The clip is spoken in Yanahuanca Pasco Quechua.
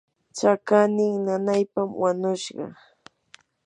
chaqannin nanaypam wanushqa.